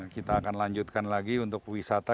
kita akan lanjutkan lagi untuk wisata